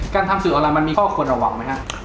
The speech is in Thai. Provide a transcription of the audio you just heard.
ทำสื่อออนไลน์มันมีข้อควรระวังไหมฮะ